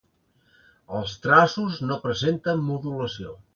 Els traços no presenten modulació.